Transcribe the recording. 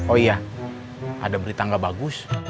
oh iya ada berita nggak bagus